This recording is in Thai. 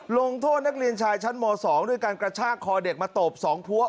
ลงโทษนักเรียนชายชั้นม๒ด้วยการกระชากคอเด็กมาตบ๒พัว